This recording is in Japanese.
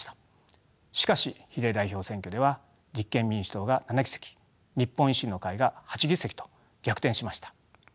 しかし比例代表選挙では立憲民主党が７議席日本維新の会が８議席と逆転しました。